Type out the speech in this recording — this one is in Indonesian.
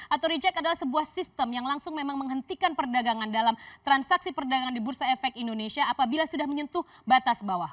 auto reject adalah sebuah sistem yang langsung memang menghentikan perdagangan dalam transaksi perdagangan di bursa efek indonesia apabila sudah menyentuh batas bawah